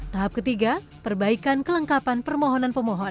tahap ketiga perbaikan kelengkapan permohonan pemohon